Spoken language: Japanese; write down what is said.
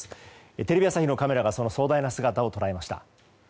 テレビ朝日のカメラがその壮大な姿を捉えました。